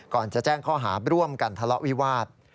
ก่อนจะแจ้งข้อหาร่วมกันทะเลาะวิวาส